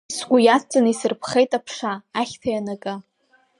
Сгәы иадҵан исырԥхеит аԥша, ахьҭа ианакы.